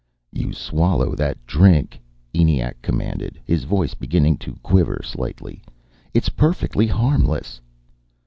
"You swallow that drink," ENIAC commanded, his voice beginning to quiver slightly. "It's perfectly harmless."